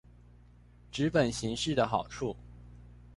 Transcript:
紙本形式的好處